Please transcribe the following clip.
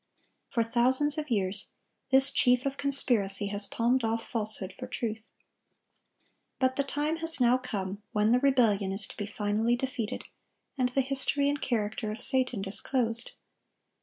For thousands of years this chief of conspiracy has palmed off falsehood for truth. But the time has now come when the rebellion is to be finally defeated, and the history and character of Satan disclosed.